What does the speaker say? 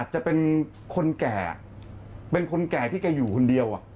ยังไงครับ